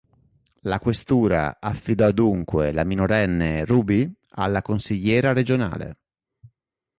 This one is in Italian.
La questura affidò dunque la minorenne Ruby alla consigliera regionale.